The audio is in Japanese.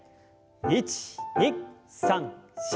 １２３４。